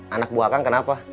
anak buah kang kenapa